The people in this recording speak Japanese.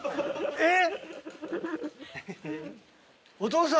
えっ！